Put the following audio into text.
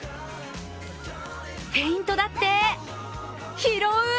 フェイントだって拾う！